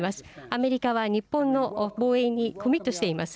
アメリカは日本の防衛にコミットしています。